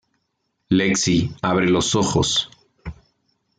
Lexi abre los ojos.